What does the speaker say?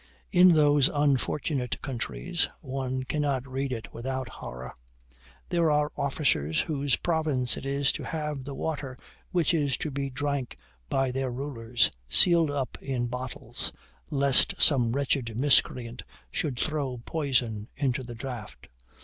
In those unfortunate countries one cannot read it without horror there are officers whose province it is to have the water which is to be drank by their rulers, sealed up in bottles, lest some wretched miscreant should throw poison into the draught.